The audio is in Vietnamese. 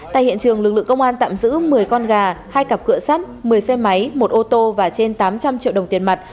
tại hiện trường lực lượng công an tạm giữ một mươi con gà hai cặp cửa sắt một mươi xe máy một ô tô và trên tám trăm linh triệu đồng tiền mặt